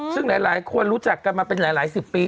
ซึ่งหลายคนรู้จักกันมาเป็นหลายสิบปี